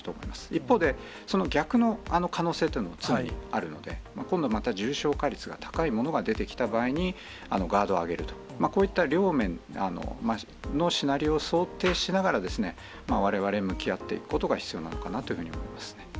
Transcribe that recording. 一方で、その逆の可能性というのも常にあるので、今度また、重症化率が高いものが出てきた場合に、ガードを上げると、こういった両面のシナリオを想定しながら、われわれ、向き合っていくことが必要なのかなというふうに思いますね。